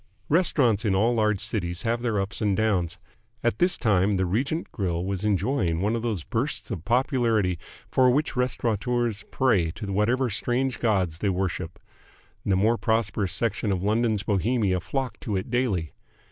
Restaurants in all large cities have their ups and downs. At this time the Regent Grill was enjoying one of those bursts of popularity for which restaurateurs pray to whatever strange gods they worship. The more prosperous section of London's Bohemia flocked to it daily.